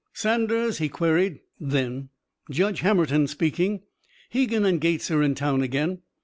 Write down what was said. "Saunders?" he queried. Then: "Judge Hammerton speaking. Hegan and Gates are in town again.